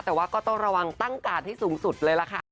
แต่ว่าก็ต้องระวังตั้งการ์ดให้สูงสุดเลยล่ะค่ะ